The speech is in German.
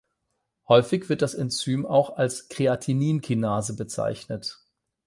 Häufig wird das Enzym auch als "Kreatinin-Kinase" bezeichnet.